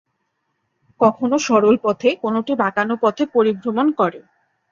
কখনো সরল পথে, কোনটি বাঁকানো পথে পরিভ্রমণ করে।